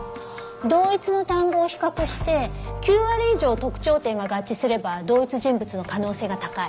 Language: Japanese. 同一の単語を比較して９割以上特徴点が合致すれば同一人物の可能性が高い。